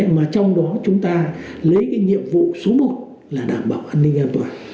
mà trong đó chúng ta lấy cái nhiệm vụ số một là đảm bảo an ninh an toàn